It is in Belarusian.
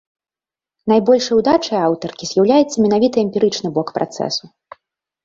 Найбольшай удачай аўтаркі з'яўляецца менавіта эмпірычны бок працэсу.